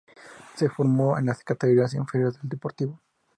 Se formó en las categorías inferiores del Deportivo.